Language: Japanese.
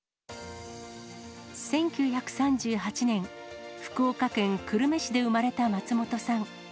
１９３８年、福岡県久留米市で生まれた松本さん。